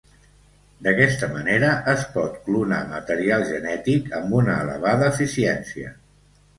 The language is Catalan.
D'aquesta manera es pot clonar material genètic amb una elevada eficiència.